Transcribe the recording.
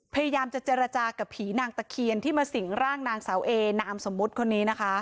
พยายามจะเจรจากับผีนางตะเคียนที่มาสิงร่างนางสาวเอนามสมมุติคนนี้นะคะ